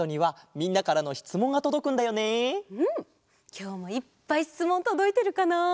きょうもいっぱいしつもんとどいてるかなあ？